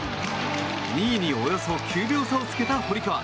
２位におよそ９秒差をつけた堀川。